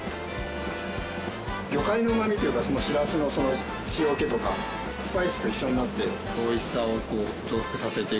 魚介のうまみというかそのしらすの塩気とかスパイスと一緒になっておいしさを増幅させてくれる。